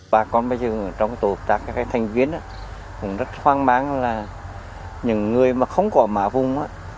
bà con bây giờ trong tổ hợp tác các thanh viên cũng rất khoan mán là những người mà không có mã vùng